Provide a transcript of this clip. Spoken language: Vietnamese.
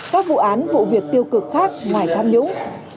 các vụ án vụ việc tiêu cực khác ngoài tham nhũng